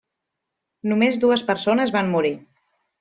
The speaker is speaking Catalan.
Només dues persones van morir.